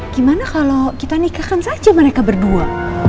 gimana kalau kita nikahkan saja mereka berdua